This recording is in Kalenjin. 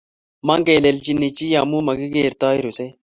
magelchini chi amu magigertoi ruset